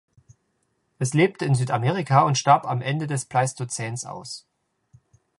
Es lebte in Südamerika und starb am Ende des Pleistozäns aus.